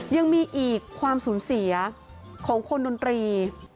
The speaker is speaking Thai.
ยังมีอีกความสูญเสียของคนดนตรี